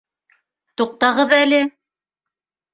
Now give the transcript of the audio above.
Туҡтағыҙ әле!